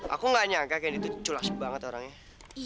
aku tidak sangka kendi itu sangat curah